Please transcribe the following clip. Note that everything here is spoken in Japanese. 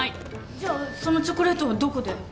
じゃあそのチョコレートはどこで？